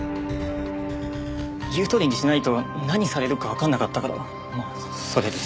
言うとおりにしないと何されるかわかんなかったからまあそれで。